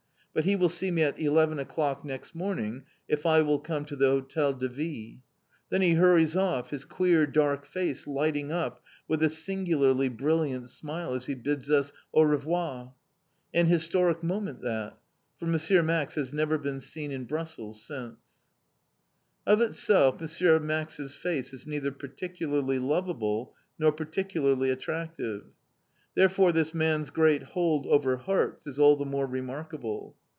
But he will see me at eleven o'clock next morning if I will come to the Hotel de Ville. Then he hurries off, his queer dark face lighting up with a singularly brilliant smile as he bids us "Au revoir!" An historic moment that. For M. Max has never been seen in Brussels since! Of itself, M. Max's face is neither particularly loveable, nor particularly attractive. Therefore, this man's great hold over hearts is all the more remarkable.